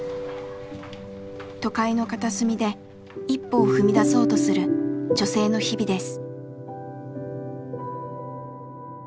都会の片隅で一歩を踏み出そうとする女性の日々です。